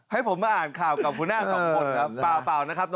ให้ผมมาอ่านข่าวกับคุณน้ำต่อผลครับเปล่านะครับ